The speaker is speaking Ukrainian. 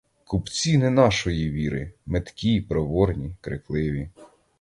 Купці, не нашої віри, меткі, проворні, крикливі.